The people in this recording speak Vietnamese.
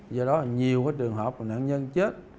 do đó nhiều trường hợp nạn nhân chết